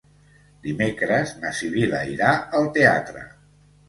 Dimecres na Sibil·la irà al teatre.